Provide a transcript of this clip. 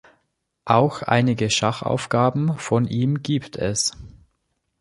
Auch einige Schachaufgaben von ihm gibt es.